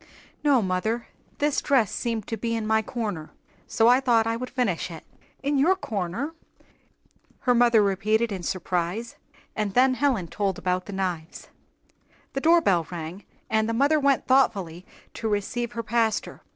"No, mother; this dress seemed to be in my 'corner,' so I thought I would finish it." "In your 'corner'!" her mother repeated in surprise, and then Helen told about the knives. The doorbell rang, and the mother went thoughtfully to receive her pastor.